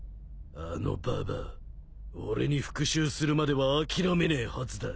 あのババア俺に復讐するまでは諦めねえはずだ。